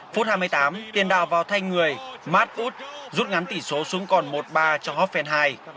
phút hai mươi tám tiền đào vào thay người matt wood rút ngắn tỷ số xuống còn một ba cho hoffenheim